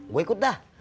gue ikut dah